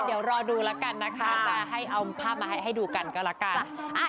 เดี๋ยวรอดูแล้วกันนะคะจะให้เอาภาพมาให้ดูกันก็แล้วกัน